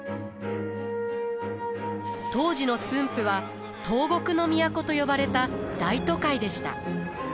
当時の駿府は東国の都と呼ばれた大都会でした。